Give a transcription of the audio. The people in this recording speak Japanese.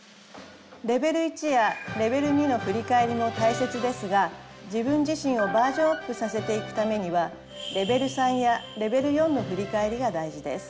レベル１やレベル２の振り返りも大切ですが自分自身をバージョンアップさせていくためにはレベル３やレベル４の振り返りが大事です。